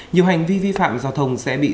nhiều hành vi vi phạm giao thông sẽ bị